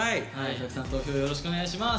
たくさん投票よろしくお願いします。